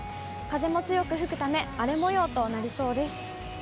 風も強く吹くため荒れもようとなりそうです。